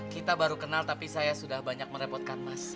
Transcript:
kita baru kenal tapi saya sudah banyak merepotkan mas